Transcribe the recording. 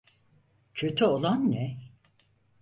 Kötü olan ne?